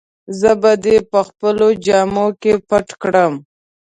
زه به دي په خپلو جامو کي پټ کړم.